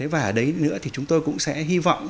và ở đấy nữa thì chúng tôi cũng sẽ hy vọng